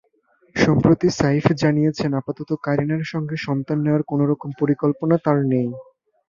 সম্প্রতি সাইফ জানিয়েছেন, আপাতত কারিনার সঙ্গে সন্তান নেওয়ার কোনো রকম পরিকল্পনা তাঁর নেই।